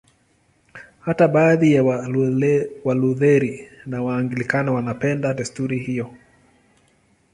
Hata baadhi ya Walutheri na Waanglikana wanapenda desturi hiyo.